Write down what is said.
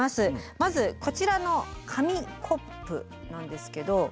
まずこちらの紙コップなんですけど。